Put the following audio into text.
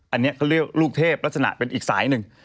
อันนี้เขาเรียกลูกเทพลักษณะเป็นอีกสายหนึ่ง